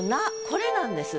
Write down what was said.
これなんです。